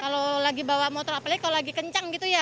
kalau lagi bawa motor apalagi kalau lagi kencang gitu ya